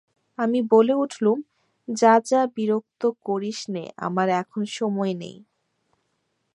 আমি বলে উঠলুম, যা যা, বিরক্ত করিস নে আমার এখন সময় নেই।